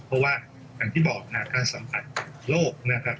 เพราะว่าอย่างที่บอกการสัมผัสโรคนะครับ